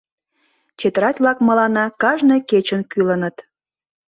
Тетрадь-влак мыланна кажне кечын кӱлыныт...